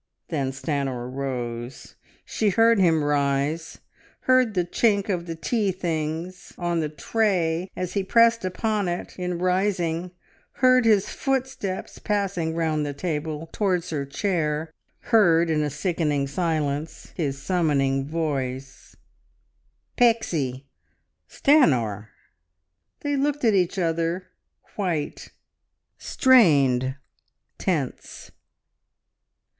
Then Stanor rose. She heard him rise, heard the chink of the tea things on the tray as he pressed upon it in rising, heard his footsteps passing round the table towards her chair, heard in a sickening silence his summoning voice "Pixie!" "Stanor!" They looked at each other; white, strained, tense.